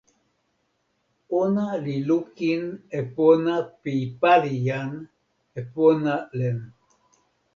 ona li lukin e pona pi pali jan, e pona len.